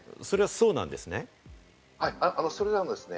それはそうなんですね。